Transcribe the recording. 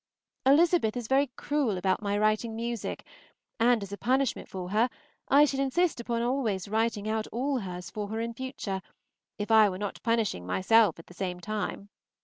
Elizabeth is very cruel about my writing music, and, as a punishment for her, I should insist upon always writing out all hers for her in future, if I were not punishing myself at the same time.